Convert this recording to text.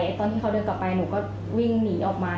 ตอนที่เขาเดินกลับไปหนูก็วิ่งหนีออกมา